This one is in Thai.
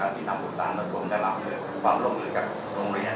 ที่คุณสารสมเข้าได้รับความร่วมอื่น